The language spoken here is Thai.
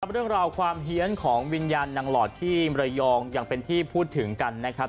เรื่องราวความเฮียนของวิญญาณนางหลอดที่มรยองยังเป็นที่พูดถึงกันนะครับ